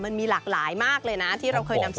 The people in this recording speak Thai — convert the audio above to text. มันมีหลากหลายมากเลยนะที่เราเคยนำเสนอ